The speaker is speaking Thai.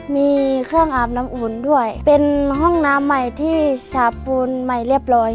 มีเครื่องอาบน้ำอุ่นด้วยเป็นห้องน้ำใหม่ที่สาปูนใหม่เรียบร้อย